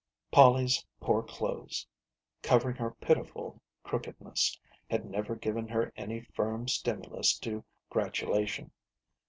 Polly's poor clothes, covering her pitiful crookedness, had never given her any firm stimulus to gratulation.